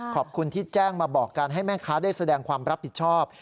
ขอบคุณที่แจ้งมาบอกกันให้แม่ค้าได้แสดงความรับผิดชอบ